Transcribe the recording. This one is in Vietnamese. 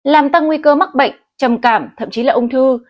làm tăng nguy cơ mắc bệnh trầm cảm thậm chí là ung thư